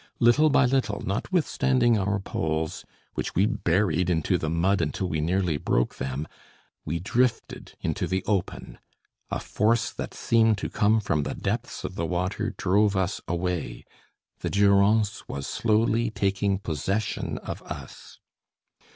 Little by little, notwithstanding our poles, which we buried into the mud until we nearly broke them, we drifted into the open; a force that seemed to come from the depths of the water drove us away. The Durance was slowly taking possession of us.